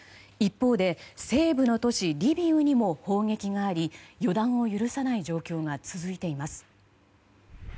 一方で西部の都市リビウにも砲撃があり予断を許さない状況が続いています。